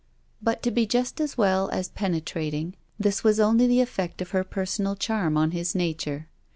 But, to be just as well as penetrating, this was only the effect of her personal charm on his nature.